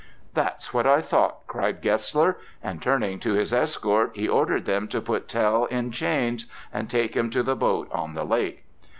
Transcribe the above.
"That's what I thought," cried Gessler, and turning to his escort he ordered them to put Tell in chains and take him to the boat on the lake.